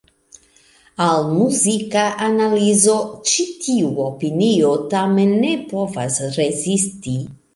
Al muzika analizo ĉi tiu opinio tamen ne povas rezisti.